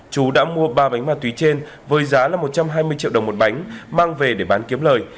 chú đã mua ba bánh ma túy trên với giá là một trăm hai mươi triệu đồng một bánh mang về để bán kiếm lời